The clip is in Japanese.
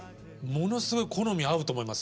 ものすごい好み合うと思います。